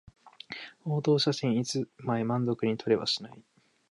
報道写真一枚満足に撮れはしない